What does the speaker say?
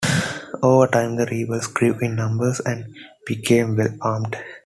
Over time the rebels grew in numbers and became well armed.